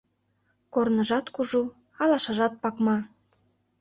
Корныжат кужу, алашажат пакма